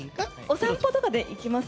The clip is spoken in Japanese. お散歩とかでいきます？